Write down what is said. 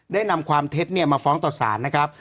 ได้นำความเท็ดเนี้ยมาฟ้องตอบศาลนะครับ